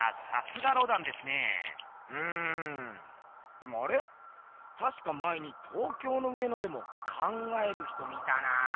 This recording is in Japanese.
でもあれ⁉たしか前に東京の上野でも「考える人」見たな。